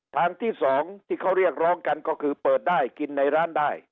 ทางที่สองที่เขาเรียกร้องกันก็คือเปิดได้กินในร้านได้